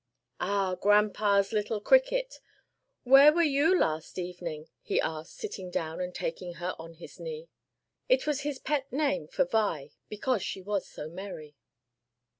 "Ah, grandpa's little cricket, where were you last evening?" he asked, sitting down and taking her on his knee. It was his pet name for Vi, because she was so merry.